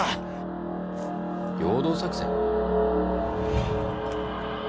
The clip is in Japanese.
陽動作戦？